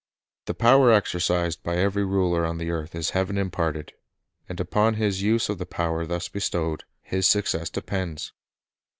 The power exercised by every ruler on the earth is Heaven imparted; and upon his use of the power thus bestowed, his success depends.